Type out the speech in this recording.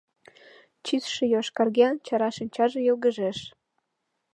Тӱсшӧ йошкарген, чара шинчаже йылгыжеш.